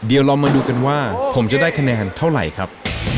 เดี๋ยวเรามาดูกันว่าผมจะได้คะแนนเท่าไหร่ครับ